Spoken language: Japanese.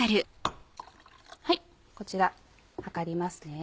こちら量ります。